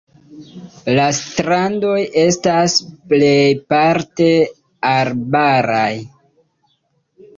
La strandoj estas plejparte arbaraj.